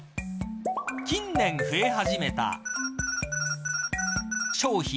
近年、増え始めた〇〇商品。